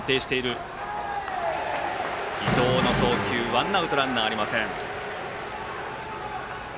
伊藤の送球、ワンアウトランナーありません。